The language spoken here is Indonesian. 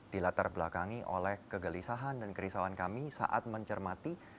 dilatarbelakangi oleh kegelisahan dan kerisauan kami saat mencermati